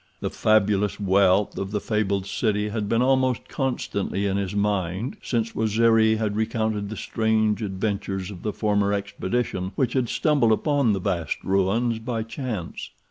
The fabulous wealth of the fabled city had been almost constantly in his mind since Waziri had recounted the strange adventures of the former expedition which had stumbled upon the vast ruins by chance.